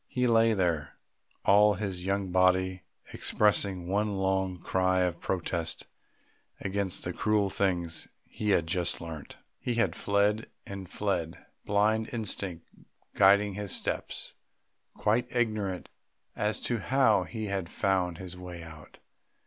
He lay there, all his young body expressing one long cry of protest against the cruel things he had just learnt. He had fled and fled, blind instinct guiding his steps, quite ignorant as to how he had found his way out.